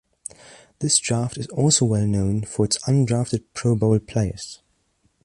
This draft is also well known for its undrafted Pro Bowl players.